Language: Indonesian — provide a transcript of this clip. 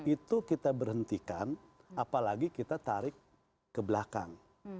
itu kita berhentikan apalagi kita tarik ke belakang